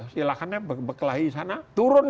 silahkan ya bekelahi sana turun